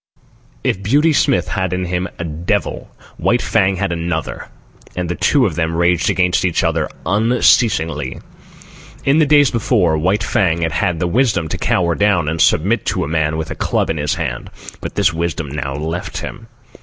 If Beauty Smith had in him a devil, White Fang had another; and the two of them raged against each other unceasingly. In the days before, White Fang had had the wisdom to cower down and submit to a man with a club in his hand; but this wisdom now left him.